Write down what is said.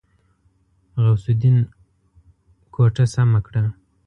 غوث الدين کوټه سمه کړه.